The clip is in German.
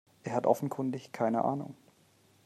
Er hat offenkundig keine Ahnung.